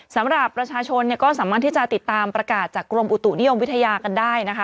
สำหรับประชาชนเนี่ยก็สามารถที่จะติดตามประกาศจากกรมอุตุนิยมวิทยากันได้นะคะ